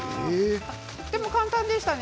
とても簡単でしたね。